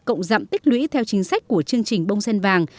cộng dặm tích lũy theo chính sách của chương trình bông sen vàng